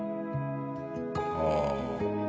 ああ。